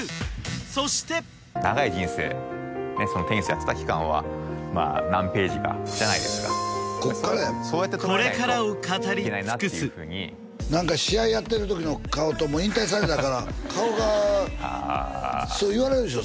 そして長い人生ねテニスやってた期間はまあ何ページかじゃないですかこれからを語り尽くす何か試合やってる時の顔ともう引退されたから顔がそう言われるでしょ？